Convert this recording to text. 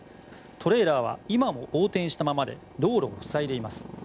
トレーラーは今も横転したままで道路を塞いでいます。